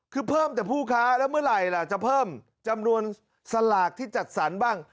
คือเพิ่มแต่ผู้ค้าแล้วเมื่อไหร่ล่ะจะเพิ่มจำนวนสลากที่จัดสรรบ้าง